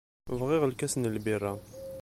Bɣiɣ lkas n lbirra.